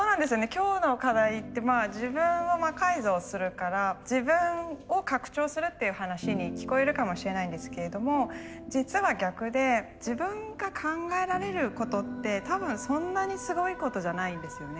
今日の課題って自分を魔改造するから自分を拡張するっていう話に聞こえるかもしれないんですけれども実は逆で自分が考えられることって多分そんなにすごいことじゃないんですよね。